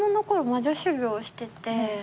魔女修業をしてて。